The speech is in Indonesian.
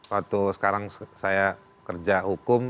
waktu sekarang saya kerja hukum